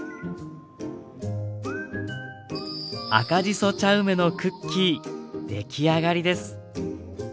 赤じそ茶梅のクッキー出来上がりです。